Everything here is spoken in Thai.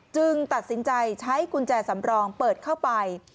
ตัดสินใจใช้กุญแจสำรองเปิดเข้าไป